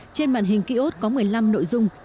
trên màn hình ký ốt có một mươi năm nội dung